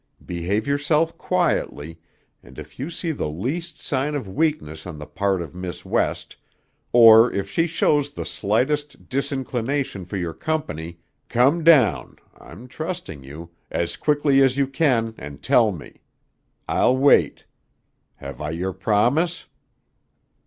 Behave yourself quietly, and if you see the least sign of weakness on the part of Miss West, or if she shows the slightest disinclination for your company, come down I'm trusting you as quickly as you can and tell me. I'll wait. Have I your promise?"